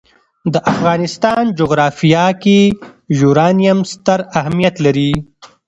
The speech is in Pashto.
د افغانستان جغرافیه کې یورانیم ستر اهمیت لري.